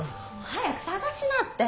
早く探しなって。